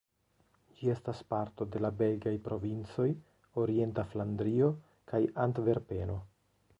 Ĝi estas parto de la belgaj provincoj Orienta Flandrio kaj Antverpeno.